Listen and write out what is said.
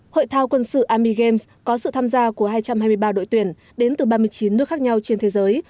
hội thao quân sự army games có sự tham gia của hai trăm hai mươi ba đội tuyển đến từ ba mươi chín nước khác nhau trên thế giới